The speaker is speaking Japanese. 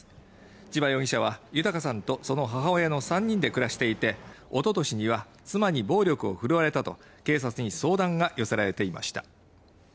チバ容疑者は豊さんとその母親の３人で暮らしていて、おととしには、妻に暴力を振るわれたと警察に相談が寄せられていました。